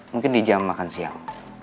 mungkin di jam makan siang